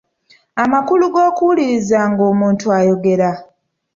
Amakulu g’okuwuliriza nga omuntu ayogera.